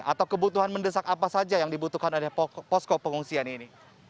atau kebutuhan mendesak apa saja yang dibutuhkan oleh posko pengungsian ini